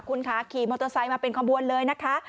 คุณคะขี่มอเตอร์ไซค์มาเป็นขบวนเลยนะคะ